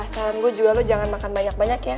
saran gue juga lo jangan makan banyak banyak ya